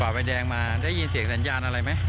ใบแดงมาได้ยินเสียงสัญญาณอะไรไหม